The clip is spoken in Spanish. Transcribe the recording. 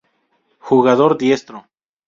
Jugador diestro.